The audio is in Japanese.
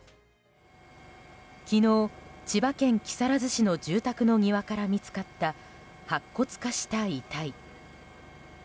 昨日、千葉県木更津市の住宅の庭から見つかった白骨化した遺体。